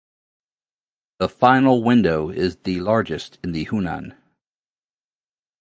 The final window is the largest in the Honan.